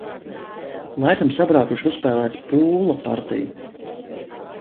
Laikam sabraukuši uzspēlēt pūla partiju.